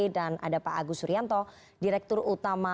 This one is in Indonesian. dan ada pak agus suryanto direktur utama rumah limbang